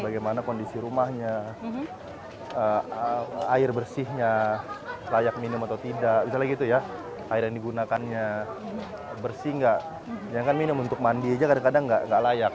bagaimana kondisi rumahnya air bersihnya layak minum atau tidak misalnya gitu ya air yang digunakannya bersih nggak yang kan minum untuk mandi aja kadang kadang nggak layak